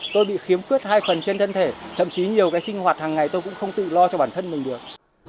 tôi bị khiếm khuyết hai phần trên thân thể thậm chí nhiều cái sinh hoạt hàng ngày tôi cũng không tự lo cho bản thân mình được